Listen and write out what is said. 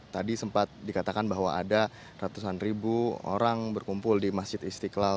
tadi sempat dikatakan bahwa ada ratusan ribu orang berkumpul di masjid istiqlal